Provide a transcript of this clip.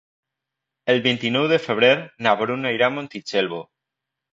El vint-i-nou de febrer na Bruna irà a Montitxelvo.